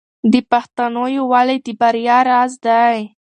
د پښتنو یووالی د بریا راز دی.